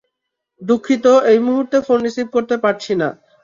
দুঃখিত এই মূহুর্তে ফোন রিসিভ করতে পারছিনা।